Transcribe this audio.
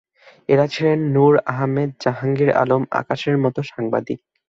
এরা ছিলেন নূর আহমেদ, জাহাঙ্গীর আলম আকাশের মতো সাংবাদিক।